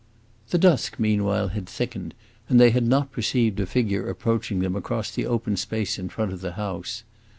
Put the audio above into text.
The dusk meanwhile had thickened, and they had not perceived a figure approaching them across the open space in front of the house.